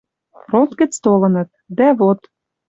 Фронт гӹц толыныт. Дӓ вот